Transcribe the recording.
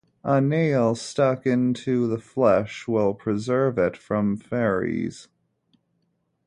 A nail stuck into the flesh will preserve it from fairies.